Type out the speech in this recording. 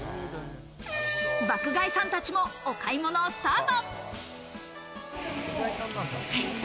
爆買いさんたちもお買い物スタート！